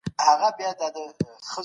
تولیدي عوامل بې ارزښته شیان نه دي.